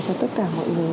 cho tất cả mọi người